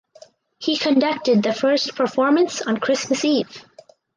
He conducted the first performance on Christmas Eve.